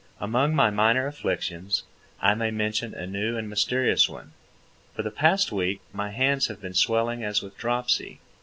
Among my minor afflictions, I may mention a new and mysterious one. For the past week my hands have been swelling as with dropsy.